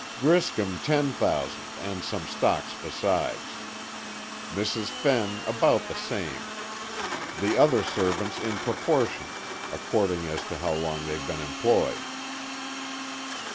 "Griscom, ten thousand, and some stocks besides. Mrs. Fenn about the same. The other servants in proportion, according as to how long they've been employed."